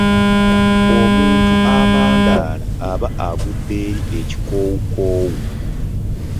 Omuntu amandaala aba agudde eri ekikoowukoowu.